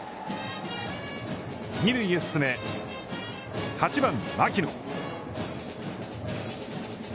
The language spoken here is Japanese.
二塁へ進め、８番牧野。